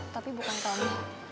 tapi bukan kamu